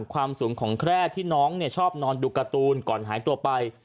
ความสูงของแคร่ที่น้องชอบนอนดูการ์ตูนก่อนหายตัวไป